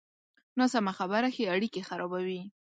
ناسمه خبره ښې اړیکې خرابوي.